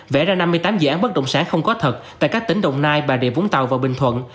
vẽ ra năm mươi tám dự án bất động sản không có thật tại các tỉnh đồng nai bà rịa vũng tàu và bình thuận